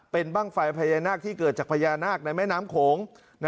เป็นบ้างไฟพญานาคที่เกิดจากพญานาคในแม่น้ำโขง